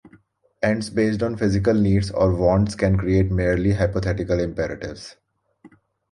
Ends based on physical needs or wants can create merely hypothetical imperatives.